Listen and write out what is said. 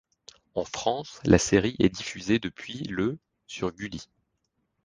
En France, la série est diffusée depuis le sur Gulli.